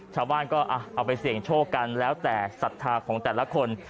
ชาวบ้านก็เอาไปเสี่ยงโชคกันแล้วแต่ศรัทธาของแต่ละคน